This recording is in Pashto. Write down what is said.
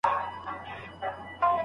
فتح خان او رابعه یو ابدي داستان دی.